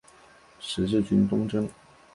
十字军东征。